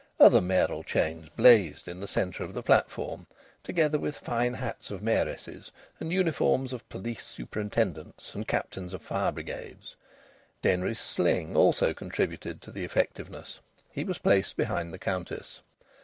Other mayoral chains blazed in the centre of the platform, together with fine hats of mayoresses and uniforms of police superintendents and captains of fire brigades. Denry's sling also contributed to the effectiveness; he was placed behind the Countess.